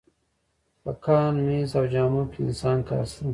په کان، مېز او جامو کې د انسان کار شته